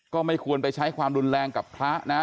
ก็ไม่ควรไปใช้ความรุนแรงกับพระนะ